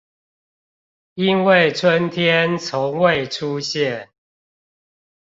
因為春天從未出現